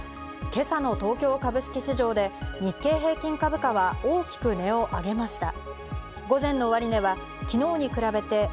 今朝の東京株式市場で日経平均株価は大きく値を上げました。